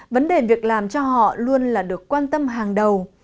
vấn đề việc làm cho họ luôn là được quan tâm hàng đầu